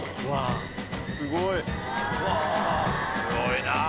すごいなぁ。